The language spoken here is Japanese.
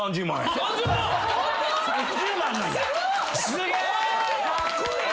すごーい！